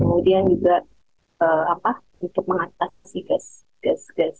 kemudian juga untuk mengatasi gas gas